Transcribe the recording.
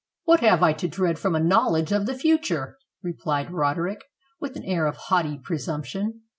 "WTiat have I to dread from a knowledge of the fu ture?" replied Roderick, with an air of haughty pre sumption.